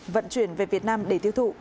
vận chuyển về việt nam để thiêu thụ